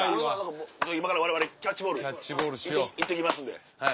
今からわれわれキャッチボール行ってきますんで。